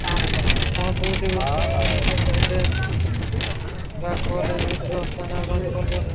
সমাজে দুর্নীতিবিরোধী সতর্কবার্তা দিতে চাইলে রাঘববোয়ালদের বিরুদ্ধে ব্যবস্থা নেওয়ার কোনো বিকল্প নেই।